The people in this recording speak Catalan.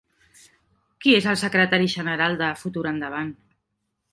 Qui és el secretari general de Futur Endavant?